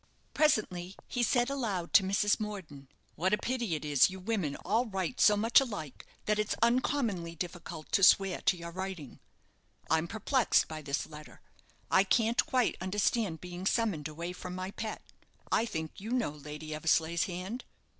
Presently he said aloud to Mrs. Morden "What a pity it is you women all write so much alike that it's uncommonly difficult to swear to your writing. I'm perplexed by this letter. I can't quite understand being summoned away from my pet. I think you know Lady Eversleigh's hand?"